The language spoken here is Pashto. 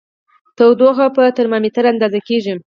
تودوخه په ترمامیتر اندازه کېږي.